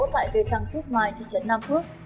tại cây xăng thúc mai thị trấn nam phước